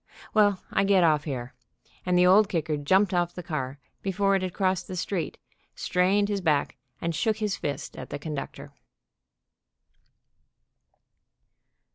Well, I get off here," and the Old Kicker jumped off the car before it had crossed the street, strained his back, and shook his fist at the conductor.